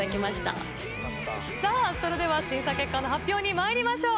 さぁそれでは審査結果の発表にまいりましょう。